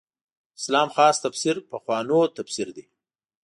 اسلام خاص تفسیر پخوانو تفسیر دی.